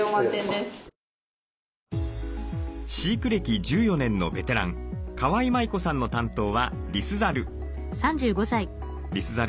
飼育歴１４年のベテラン川井舞子さんの担当はリスザル。